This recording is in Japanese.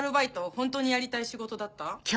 ホントにやりたい仕事だった？